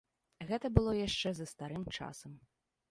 Гэта было яшчэ за старым часам.